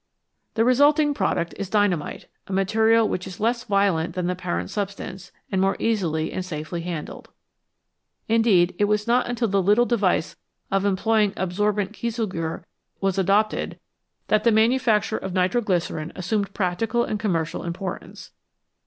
The resulting product is dynamite, a material which is less violent than the parent substance, and more easily and safely handled. Indeed, it was not until the little device of employing absorbent kieselguhr was adopted that the manufacture of nitro glycerine assumed practical and commercial importance.